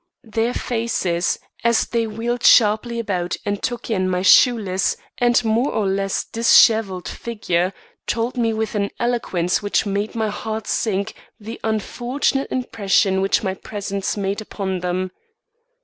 Their faces, as they wheeled sharply about and took in my shoeless and more or less dishevelled figure, told me with an eloquence which made my heart sink, the unfortunate impression which my presence made upon them.